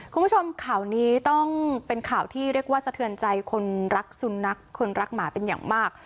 คุณผู้ชมข่าวนี้ต้องเป็นข่าวที่เรียกว่าสะเทือนใจคนรักสุนัขคนรักหมาเป็นอย่างมาก